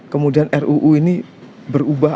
kemudian ruu ini berubah